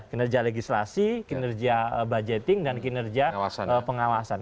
kinerja legislasi kinerja budgeting dan kinerja pengawasan